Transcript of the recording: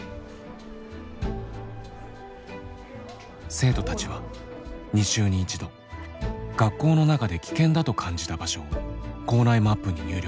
生徒たちは２週に１度学校の中で危険だと感じた場所を校内マップに入力。